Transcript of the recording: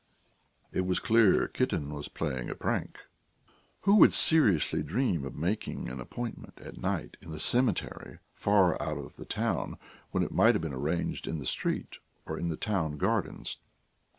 It was clear: Kitten was playing a prank. Who would seriously dream of making an appointment at night in the cemetery far out of the town, when it might have been arranged in the street or in the town gardens?